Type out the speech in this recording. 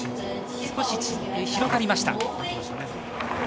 少し広がりました。